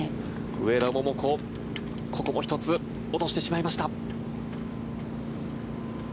上田桃子、ここも１つ落としてしまいました。